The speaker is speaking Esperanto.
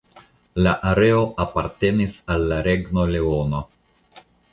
La areo apartenis al la Regno Leono.